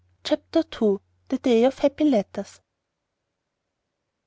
CHAPTER II. THE DAY OF HAPPY LETTERS.